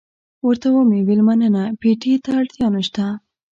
ورته ومې ویل مننه، پېټي ته اړتیا نشته.